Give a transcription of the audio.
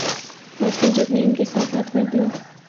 آج قدرت نے ان کے ساتھ ہاتھ کر دیا۔